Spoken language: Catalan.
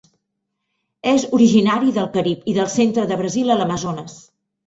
És originari del Carib i del centre de Brasil a l'Amazones.